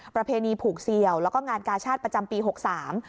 ประเพณีผูกเสี่ยวแล้วก็งานกาชาติประจำปีหกสาม